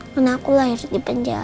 karena aku lahir di penjara